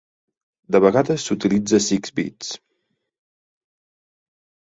De vegades s'utilitza "six bits".